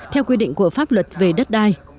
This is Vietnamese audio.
theo quy định của pháp luật về đất đai